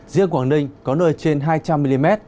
riêng quảng ninh có nơi trên hai trăm linh mm